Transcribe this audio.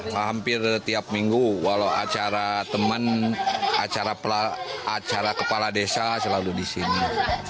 hampir setiap minggu walau acara teman acara kepala desa selalu di sini